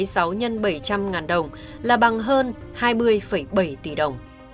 hai mươi chín sáu trăm bảy mươi sáu x bảy trăm linh đồng là bằng hơn hai mươi bảy tỷ đồng